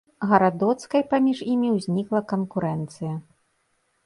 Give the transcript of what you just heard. Гарадоцкай паміж імі ўзнікла канкурэнцыя.